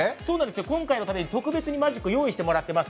今回のためにマジックを特別に用意してもらっています。